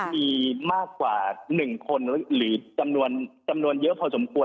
มีมากกว่า๑คนหรือจำนวนจำนวนเยอะพอสมควร